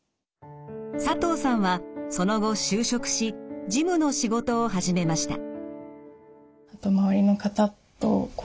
佐藤さんはその後就職し事務の仕事を始めました。